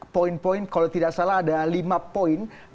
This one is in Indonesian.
poin poin kalau tidak salah ada lima poin